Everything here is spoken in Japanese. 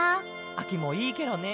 あきもいいケロね！